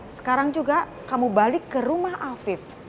sekarang juga kamu balik ke rumah afif